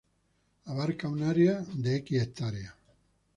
Abarca un área de ha.